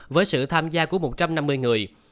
với sự tham gia của một trăm năm mươi người